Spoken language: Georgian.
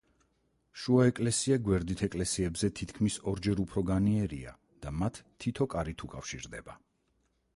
შუა ეკლესია გვერდით ეკლესიებზე თითქმის ორჯერ უფრო განიერია და მათ თითო კარით უკავშირდება.